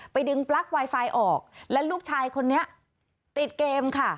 ดึงปลั๊กไวไฟออกและลูกชายคนนี้ติดเกมค่ะ